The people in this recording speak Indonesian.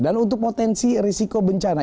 dan untuk potensi risiko bencana